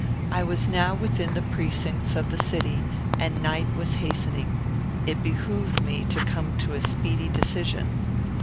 I was now within the precincts of the city, and night was hastening. It behooved me to come to a speedy decision.